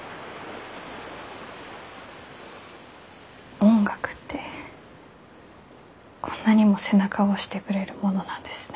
音楽ってこんなにも背中を押してくれるものなんですね。